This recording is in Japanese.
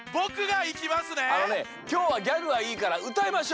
あのねきょうはギャグはいいからうたいましょう。